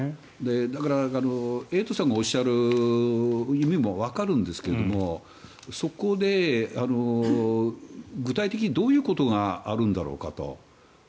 だから、エイトさんがおっしゃる意味もわかるんですけどそこで具体的にどういうことがあるんだろうかと。